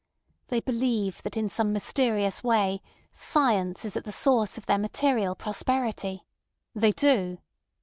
They believe that in some mysterious way science is at the source of their material prosperity. They do.